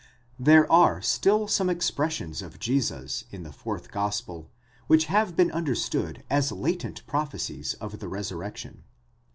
There are still some expressions of Jesus in the fourth gospel, which have been understood as latent prophecies of the resurrection.